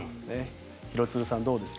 廣津留さん、どうです？